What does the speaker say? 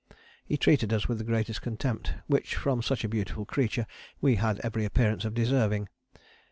He treated us with the greatest contempt, which, from such a beautiful creature, we had every appearance of deserving.